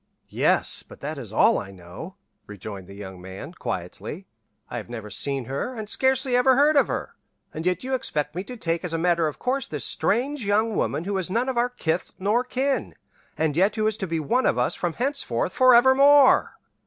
"Yes, but that is all I know," rejoined the young man, quietly. "I have never seen her, and scarcely ever heard of her, and yet you expect me to take as a matter of course this strange young woman who is none of our kith nor kin, and yet who is to be one of us from henceforth forevermore!"